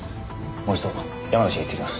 もう一度山梨へ行ってきます。